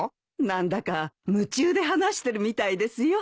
何だか夢中で話してるみたいですよ。